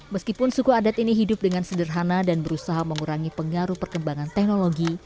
meskipun suku adat ini hidup dengan sederhana dan berusaha mengurangi pengaruh perkembangan teknologi